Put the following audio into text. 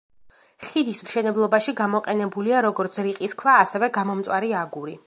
ხიდის მშენებლობაში გამოყენებულია, როგორც რიყის ქვა, ასევე გამომწვარი აგური.